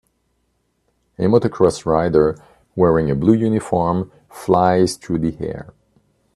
A motocross rider wearing a blue uniform flies through the air.